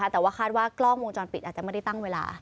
แต่ว่าคาดว่ากล้องวงจรปิดอาจจะไม่ได้ตั้งเวลา